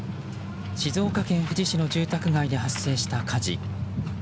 静岡県富士市の住宅街で発生した火事。